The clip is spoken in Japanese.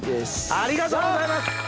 ありがとうございます！